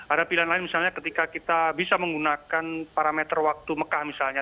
ada pilihan lain misalnya ketika kita bisa menggunakan parameter waktu mekah misalnya